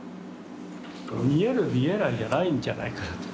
見える見えないじゃないんじゃないかなと。